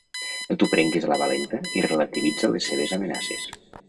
No t'ho prenguis a la valenta i relativitza les seves amenaces.